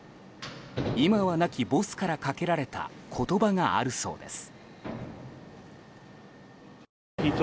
今は亡きボスからかけられた言葉があるそうです。